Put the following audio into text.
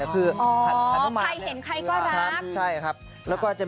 ใครเห็นใครก็รับ